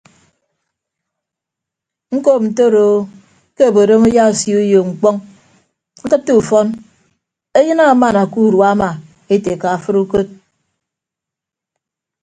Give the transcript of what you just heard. Ñkop ntoroo ke obodom ayaasio uyo mkpọñ ñkịtte ufọn eyịn amaamana ke udua ama ete eka fʌd ukod.